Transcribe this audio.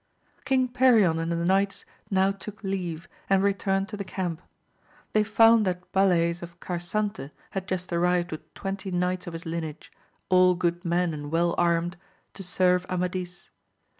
King Perion and the knights now took leave, and returned to the camp ; they found that Balays of Car sante had just arrived with twenty knights of his lineage, all good men and well armed, to serve Amadis.